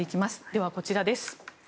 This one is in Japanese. では、こちらです。